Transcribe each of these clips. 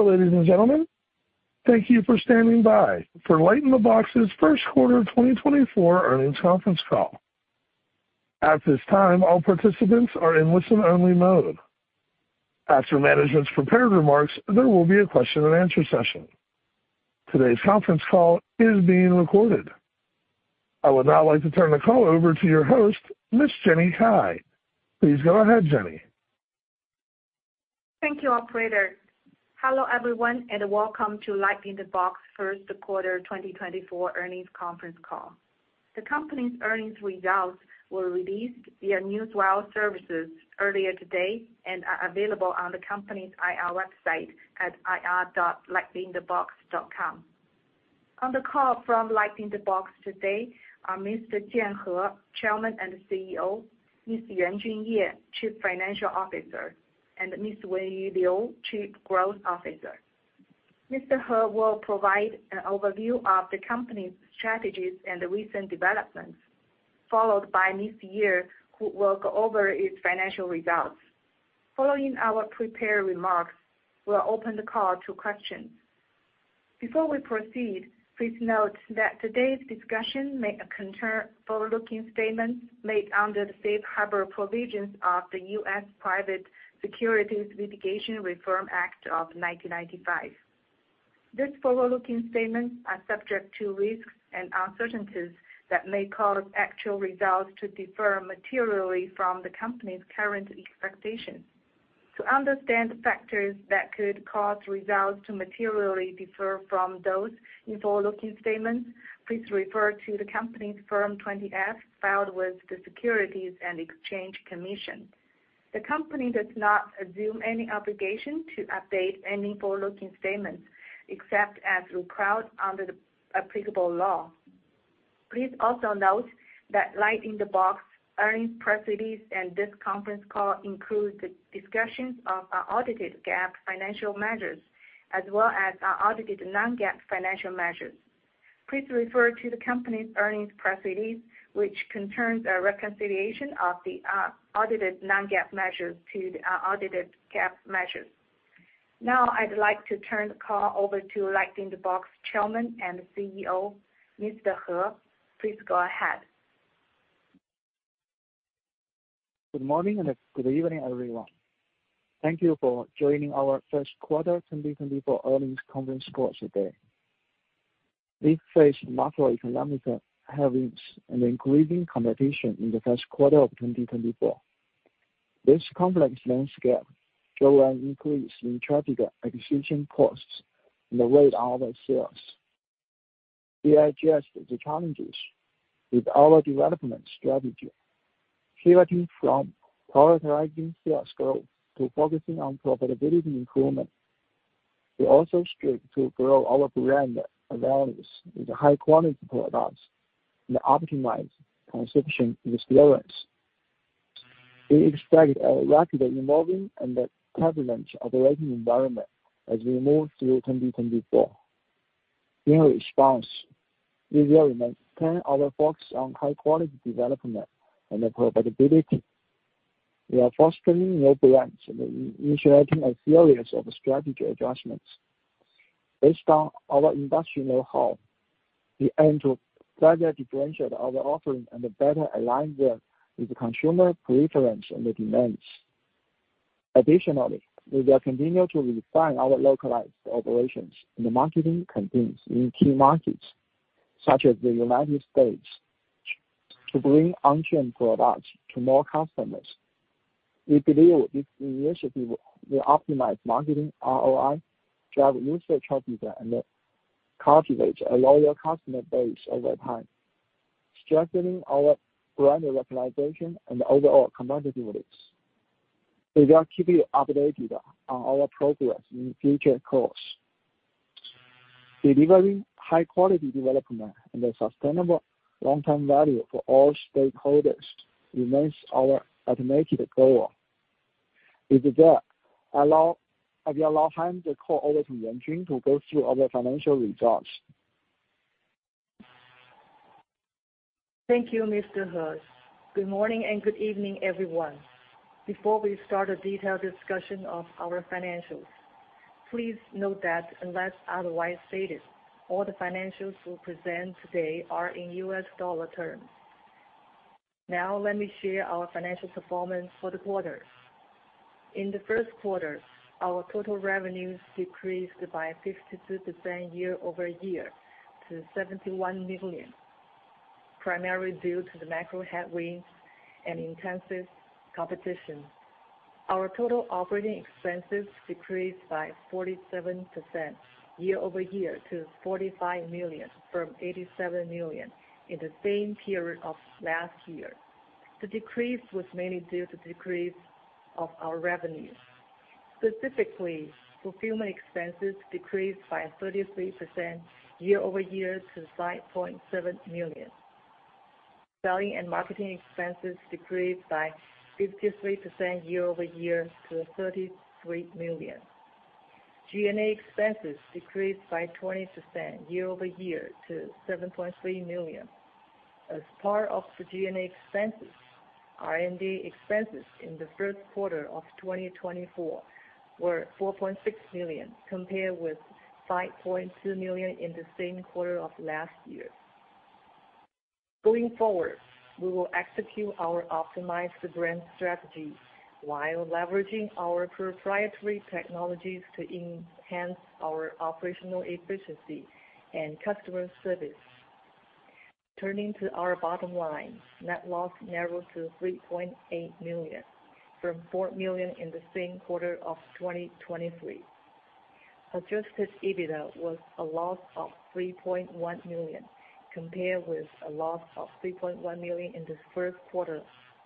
Hello, ladies and gentlemen. Thank you for standing by for LightInTheBox's first quarter 2024 earnings conference call. At this time, all participants are in listen-only mode. After management's prepared remarks, there will be a question and answer session. Today's conference call is being recorded. I would now like to turn the call over to your host, Miss Jenny Cai. Please go ahead, Jenny. Thank you, operator. Hello, everyone, and welcome to LightInTheBox first quarter 2024 earnings conference call. The company's earnings results were released via news wire services earlier today and are available on the company's IR website at ir.lightinthebox.com. On the call from LightInTheBox today are Mr. Jian He, Chairman and CEO, Ms. Yuanjun Ye, Chief Financial Officer, and Ms. Wenyu Liu, Chief Growth Officer. Mr. He will provide an overview of the company's strategies and the recent developments, followed by Ms. Ye, who will go over its financial results. Following our prepared remarks, we'll open the call to questions. Before we proceed, please note that today's discussion may contain forward-looking statements made under the Safe Harbor provisions of the U.S. Private Securities Litigation Reform Act of 1995. These forward-looking statements are subject to risks and uncertainties that may cause actual results to differ materially from the company's current expectations. To understand the factors that could cause results to materially differ from those in forward-looking statements, please refer to the company's Form 20-F filed with the Securities and Exchange Commission. The company does not assume any obligation to update any forward-looking statements except as required under the applicable law. Please also note that LightInTheBox earnings press release and this conference call includes the discussions of unaudited GAAP financial measures, as well as unaudited non-GAAP financial measures. Please refer to the company's earnings press release, which contains a reconciliation of the audited non-GAAP measures to the audited GAAP measures. Now, I'd like to turn the call over to LightInTheBox Chairman and CEO, Mr. He. Please go ahead. Good morning and good evening, everyone. Thank you for joining our first quarter 2024 earnings conference call today. We faced macroeconomic headwinds and increasing competition in the first quarter of 2024. This complex landscape drove an increase in traffic acquisition costs and the rate of our sales. We addressed the challenges with our development strategy, pivoting from prioritizing sales growth to focusing on profitability improvement. We also strive to grow our brand awareness with high-quality products and optimize consumption experience. We expect a rapidly evolving and a turbulent operating environment as we move through 2024. In response, we will maintain our focus on high-quality development and profitability. We are fostering new brands and initiating a series of strategy adjustments. Based on our industrial know-how, we aim to further differentiate our offering and better align them with the consumer preference and the demands. Additionally, we will continue to refine our localized operations and the marketing campaigns in key markets, such as the United States, to bring on-trend products to more customers. We believe this initiative will optimize marketing ROI, drive user traffic, and cultivate a loyal customer base over time, strengthening our brand recognition and overall competitiveness. We will keep you updated on our progress in future calls. Delivering high-quality development and a sustainable long-term value for all stakeholders remains our ultimate goal. With that, I will now hand the call over to Yuanjun to go through our financial results. Thank you, Mr. He. Good morning and good evening, everyone. Before we start a detailed discussion of our financials, please note that unless otherwise stated, all the financials we present today are in U.S. dollar terms. Now, let me share our financial performance for the quarter. In the first quarter, our total revenues decreased by 52% year-over-year to $71 million, primarily due to the macro headwinds and intensive competition. Our total operating expenses decreased by 47% year-over-year to $45 million from $87 million in the same period of last year. The decrease was mainly due to decrease of our revenues. Specifically, fulfillment expenses decreased by 33% year-over-year to $5.7 million. Selling and marketing expenses decreased by 53% year-over-year to $33 million. G&A expenses decreased by 20% year-over-year to $7.3 million. As part of the G&A expenses, R&D expenses in the first quarter of 2024 were $4.6 million, compared with $5.2 million in the same quarter of last year. Going forward, we will execute our optimized brand strategy while leveraging our proprietary technologies to enhance our operational efficiency and customer service. Turning to our bottom line, net loss narrowed to $3.8 million from $4 million in the same quarter of 2023. Adjusted EBITDA was a loss of $3.1 million, compared with a loss of $3.1 million in the first quarter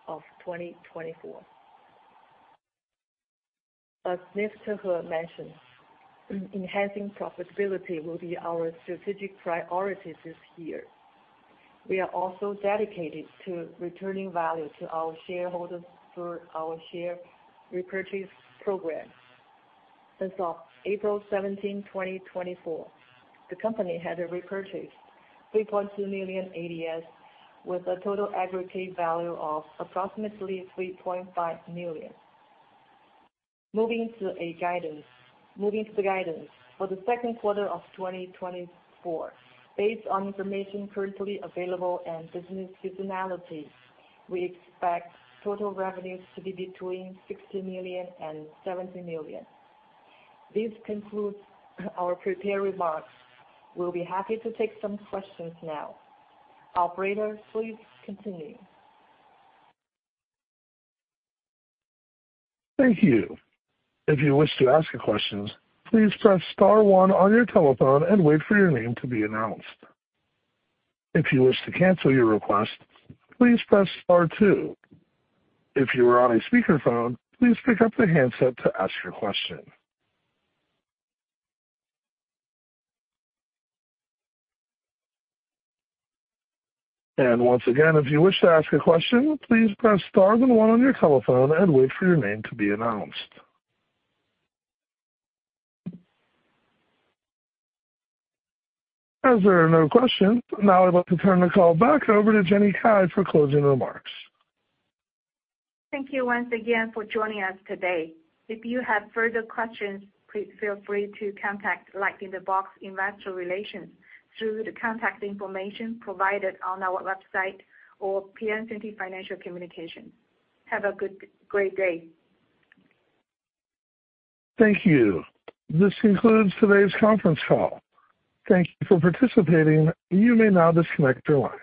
of 2024. As Mr. He mentioned, enhancing profitability will be our strategic priority this year. We are also dedicated to returning value to our shareholders through our share repurchase program. As of April 17, 2024, the company had repurchased 3.2 million ADS, with a total aggregate value of approximately $3.5 million. Moving to the guidance. For the second quarter of 2024, based on information currently available and business seasonality, we expect total revenues to be between $60 million and $70 million. This concludes our prepared remarks. We'll be happy to take some questions now. Operator, please continue. Thank you. If you wish to ask a question, please press star one on your telephone and wait for your name to be announced. If you wish to cancel your request, please press star two. If you are on a speakerphone, please pick up the handset to ask your question. Once again, if you wish to ask a question, please press star then one on your telephone and wait for your name to be announced. As there are no questions, I'm now about to turn the call back over to Jenny Cai for closing remarks. Thank you once again for joining us today. If you have further questions, please feel free to contact LightInTheBox investor relations through the contact information provided on our website or Piacente Financial Communications. Have a good, great day. Thank you. This concludes today's conference call. Thank you for participating. You may now disconnect your line.